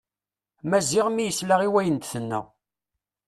Maziɣ mi yesla i wayen d-tenna.